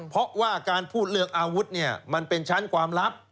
เพราะว่าการพูดเรื่องอาวุธเนี่ยมันเป็นชั้นความลับ